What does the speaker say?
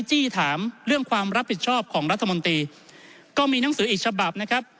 จี้ถามเรื่องความรับผิดชอบของรัฐมนตรีก็มีหนังสืออีกฉบับนะครับ